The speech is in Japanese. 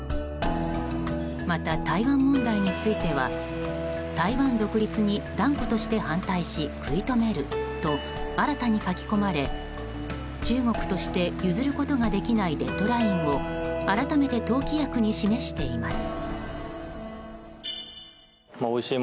また、台湾問題については台湾独立に断固として反対し食い止めると新たに書き込まれ中国として譲ることができないデッドラインを改めて党規約に示しています。